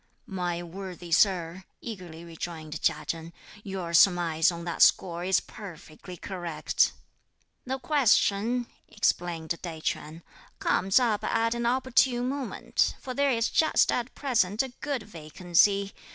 "My worthy sir," eagerly rejoined Chia Chen, "your surmise on that score is perfectly correct." "The question," explained Tai Ch'üan, "comes up at an opportune moment; for there is just at present a good vacancy.